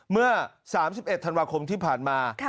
เมื่อ๓๑ธันวาคมที่ผ่านมา